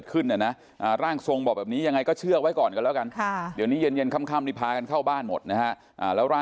บ้านท่านบอกว่าจะได้คุณแก้เคล็ดเลย